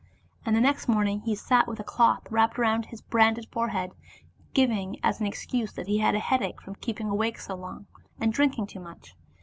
And the next morning he sat with a cloth wrapped round his branded forehead, giving as an excuse that he had a headache from keeping awake so long, and drinking too much.